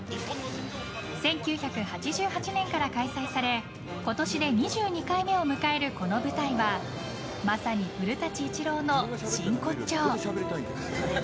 １９８８年から開催され今年で２２回目を迎えるこの舞台はまさに古舘伊知郎の真骨頂。